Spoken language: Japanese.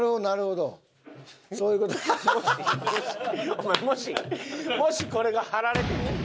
お前もしもしこれが貼られてみ？